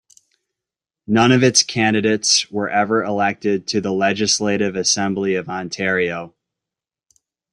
None of its candidates were ever elected to the Legislative Assembly of Ontario.